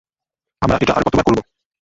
আমরা এটা আর কতবার করব?